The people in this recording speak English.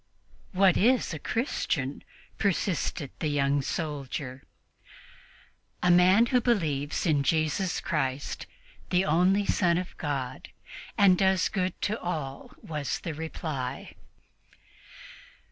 "What is a Christian?" persisted the young soldier. "A man who believes in Jesus Christ, the only Son of God, and does good to all," was the reply.